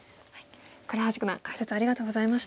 倉橋九段解説ありがとうございました。